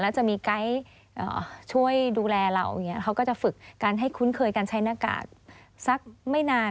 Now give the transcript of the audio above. แล้วจะมีไกด์ช่วยดูแลเราอย่างนี้เขาก็จะฝึกการให้คุ้นเคยการใช้หน้ากากสักไม่นาน